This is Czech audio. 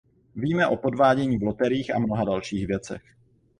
Víme o podvádění v loteriích a mnoha dalších věcech.